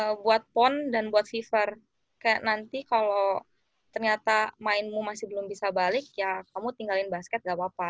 kalau buat pon dan buat viver kayak nanti kalau ternyata mainmu masih belum bisa balik ya kamu tinggalin basket gak apa apa